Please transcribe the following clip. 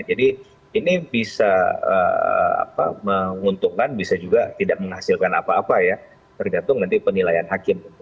jadi ini bisa menguntungkan bisa juga tidak menghasilkan apa apa ya tergantung nanti penilaian hakim